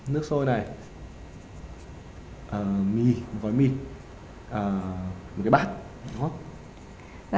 nước sôi này mì gói mì một cái bát đúng không ạ